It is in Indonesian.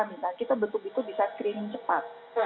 misalnya kita betul betul bisa screening cepat